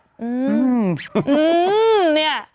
อืมเนี่ย